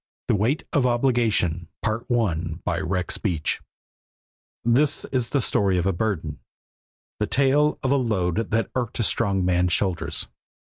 The Weight of Obligation By Rex Beach THIS is the story of a burden, the tale of a load that irked a strong man's shoulders.